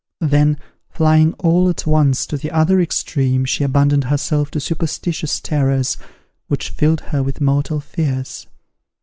Then, flying all at once to the other extreme, she abandoned herself to superstitious terrors, which filled her with mortal fears.